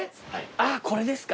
あっこれですか。